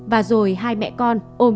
và rồi hai mẹ con ôm